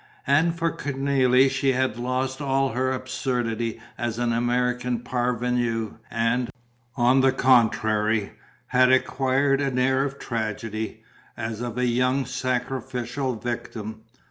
And for Cornélie she had lost all her absurdity as an American parvenue and, on the contrary, had acquired an air of tragedy, as of a young sacrificial victim.